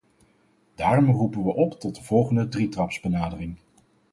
Daarom roepen we op tot de volgende drietrapsbenadering.